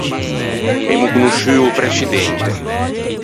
Emmo conosciuo o prescidente.